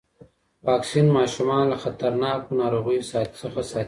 واکسین ماشومان له خطرناکو ناروغیو څخه ساتي.